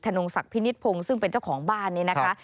นงศักดิพินิษฐพงศ์ซึ่งเป็นเจ้าของบ้านนี้นะคะ